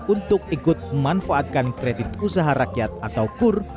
untuk ikut memanfaatkan kredit usaha rakyat atau kur